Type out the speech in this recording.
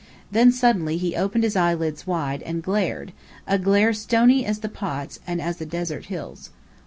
Then suddenly he opened his eyelids wide, and glared a glare stony as the pots, and as the desert hills.